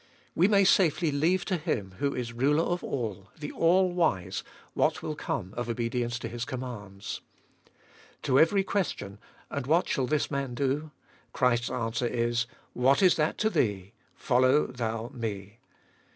We may safely leave to Him who is ruler of all, the All wise, what will come of obedience to His commands. To every question, And wliat shall this man do? Christ's answer is, What is that to thee ! Follow thou Me.